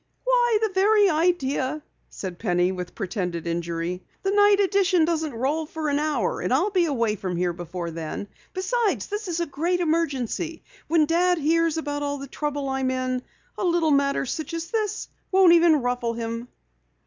"Why, the very idea," said Penny, with pretended injury. "The night edition doesn't roll for an hour and I'll be away from here before then! Besides, this is a great emergency! When Dad hears about all the trouble I'm in, a little matter such as this won't even ruffle him."